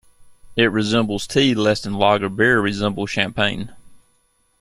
It resembled tea less than lager beer resembles champagne.